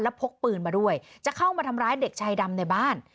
พกปืนมาด้วยจะเข้ามาทำร้ายเด็กชายดำในบ้าน